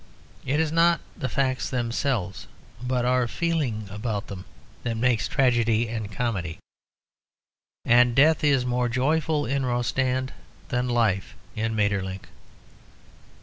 It is not the facts themselves, but our feeling about them, that makes tragedy and comedy, and death is more joyful in Rostand than life in Maeterlinck.